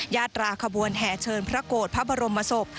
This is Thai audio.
ญาตราขบวนแห่เชิญพระโกรธพระบรมศพ